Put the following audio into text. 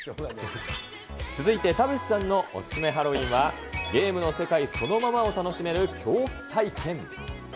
続いて田渕さんのお勧めハロウィーンは、ゲームの世界そのままを楽しめる恐怖体験。